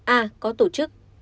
a có tổ chức